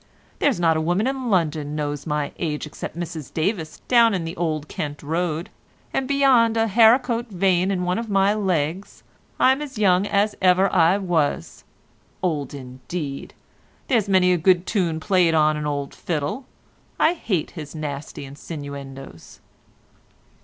there's not a woman in London knows my age except Mrs Davis down in the Old Kent Road, and beyond a haricot vein in one of my legs I'm as young as ever I was. Old indeed! There's many a good tune played on an old fiddle. I hate his nasty insinuendos."